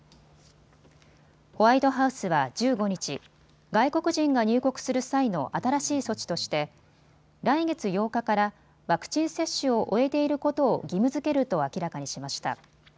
ホワイトハウスは１５日、外国人が入国する際の新しい措置として来月８日から、ワクチン接種を終えていることを義務づけると明らかにしました。